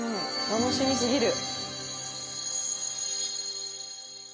「楽しみすぎる」